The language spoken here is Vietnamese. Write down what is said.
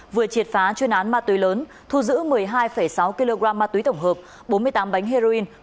vừa triệt phá chuyên án ma túy lớn thu giữ một mươi hai sáu kg ma túy tổng hợp bốn mươi tám bánh heroin